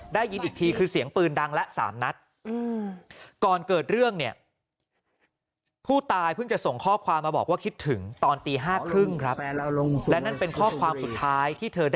ได้ยินอีกทีคือเสียงปืนดังและสามนัดก่อนเกิดเรื่องเนี่ย